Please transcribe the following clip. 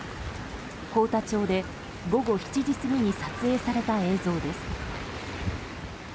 幸田町で、午後７時過ぎに撮影された映像です。